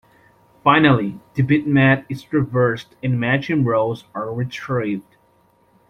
Finally, the bitmap is traversed and matching rows are retrieved.